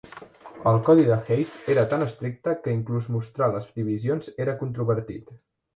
El codi de Hays era tan estricte que inclús mostrar les divisions era controvertit.